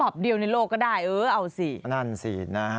สภาพเดียวในโลกก็ได้เออเอาสิ